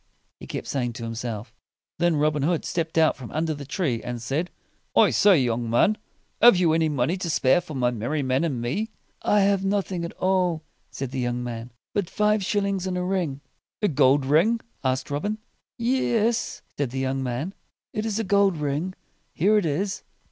he kept saying to himself. Then Robin Hood stepped out from under the tree, and said, "I say, young man! Have you any money to spare for my merry men and me?" "I have nothing at all," said the young man, "but five shil lings and a ring." "A gold ring?" asked Robin. "Yes?" said the young man, "it is a gold ring. Here it is."